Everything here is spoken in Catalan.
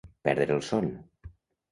Perdre el son.